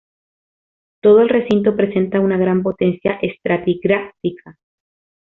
Todo el recinto presenta una gran potencia estratigráfica.